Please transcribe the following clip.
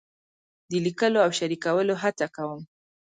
د لیکلو او شریکولو هڅه کوم.